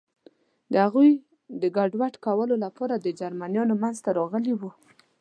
د هغوی د ګډوډ کولو لپاره د جرمنیانو منځ ته ورغلي و.